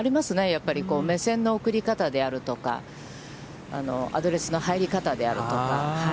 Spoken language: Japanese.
やっぱり目線の送り方であるとか、アドレスの入り方であるとか。